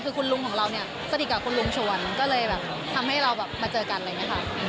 คือคุณลุงของเราเนี่ยสนิทกับคุณลุงชวนก็เลยแบบทำให้เราแบบมาเจอกันอะไรอย่างนี้ค่ะ